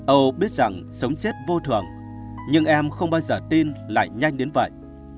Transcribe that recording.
âu biết rằng sống xét vô thường nhưng em không bao giờ tin lại nhanh đến vậy